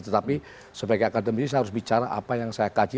tetapi sebagai akademisi saya harus bicara apa yang saya kaji